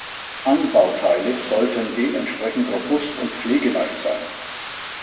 Anbauteile sollten dementsprechend robust und pflegeleicht sein.